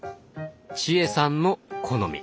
千恵さんの「好み」。